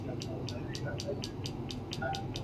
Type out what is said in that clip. ورنہ دنیا میں کیا نہیں باقی